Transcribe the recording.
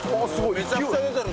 めちゃくちゃ出てる！